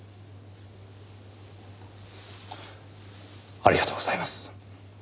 ありがとうございます。